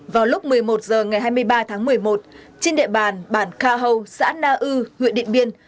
vào lúc một mươi một h ngày hai mươi ba tháng một mươi một trên địa bàn bản kha hâu xã na ư huyện điện biên